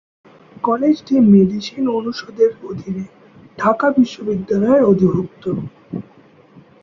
কলেজটি মেডিসিন অনুষদের অধীনে ঢাকা বিশ্ববিদ্যালয়ের অধিভুক্ত।